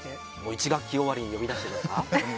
１学期終わりに呼び出してですか。